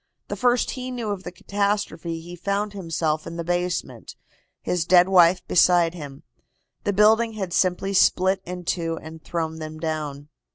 The first he knew of the catastrophe he found himself in the basement, his dead wife beside him. The building had simply split in two, and thrown them down."